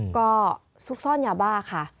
ก็ซุกซ่อนยาบ้าค่ะ